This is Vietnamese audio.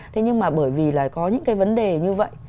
thế nhưng mà bởi vì là có những cái vấn đề như vậy